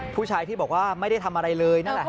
ผู้ชายที่บอกว่าไม่ได้ทำอะไรเลยนั่นแหละ